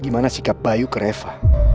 gimana sikap bayu ke reva